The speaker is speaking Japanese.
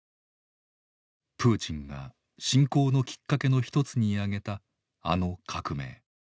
プーチンが侵攻のきっかけの一つに挙げたあの革命。